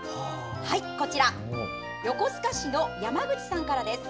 こちら、横須賀市の山口さんからです。